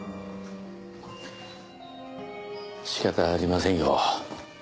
仕方ありませんよ。